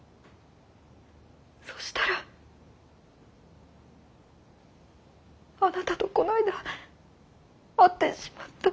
そしたらあなたとこの間会ってしまった。